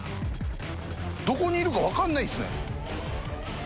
どこにいるか分かんないっすね。